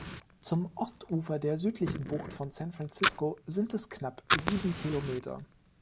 Zum Ostufer der südlichen Bucht von San Francisco sind es knapp sieben Kilometer.